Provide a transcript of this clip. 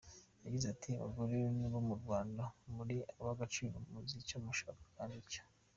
Yagize ati: "Abagore bo mu Rwanda muri ab'agaciro, muzi icyo mushaka, kandi icyo .